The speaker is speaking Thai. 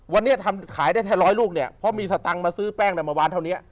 วันนี้ทำขายได้แค่ร้อยลูกเนี่ยเพราะมีสตังค์มาซื้อแป้งมาวานเท่านี้